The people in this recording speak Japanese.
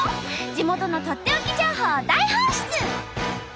地元のとっておき情報を大放出！